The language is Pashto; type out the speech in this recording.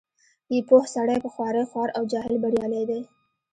پوه سړی په خوارۍ خوار او جاهل بریالی دی.